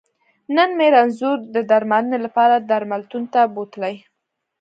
نن مې رنځور د درمنلې لپاره درملتون ته بوتلی